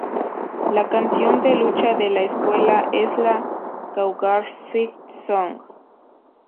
La canción de lucha de la escuela es la Cougar Fight Song.